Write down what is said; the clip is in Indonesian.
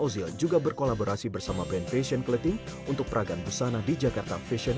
ozil juga berkolaborasi bersama band fashion clating untuk peragaan busana di jakarta fashion